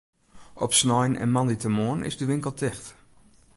Op snein en moandeitemoarn is de winkel ticht.